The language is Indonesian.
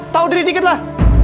tau diri dikit lah